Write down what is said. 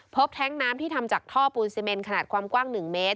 แท้งน้ำที่ทำจากท่อปูนซีเมนขนาดความกว้าง๑เมตร